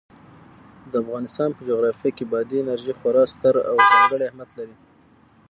د افغانستان په جغرافیه کې بادي انرژي خورا ستر او ځانګړی اهمیت لري.